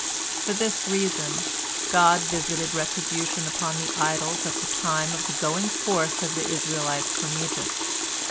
For this reason God visited retribution upon the idols at the time of the going forth of the Israelites from Egypt.